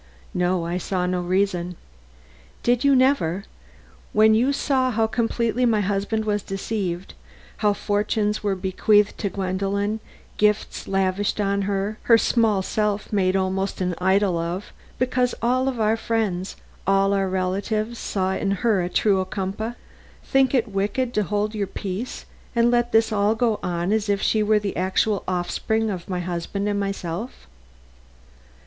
"No, I saw no reason." "Did you never, when you saw how completely my husband was deceived, how fortunes were bequeathed to Gwendolen, gifts lavished on her, her small self made almost an idol of, because all our friends, all our relatives saw in her a true Ocumpaugh, think it wicked to hold your peace and let this all go on as if she were the actual offspring of my husband and myself?"